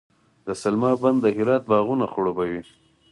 د سلما بند د هرات باغونه خړوبوي.